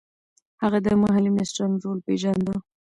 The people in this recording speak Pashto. هغه د محلي مشرانو رول پېژانده.